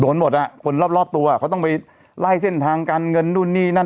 หมดอ่ะคนรอบรอบตัวเขาต้องไปไล่เส้นทางการเงินนู่นนี่นั่น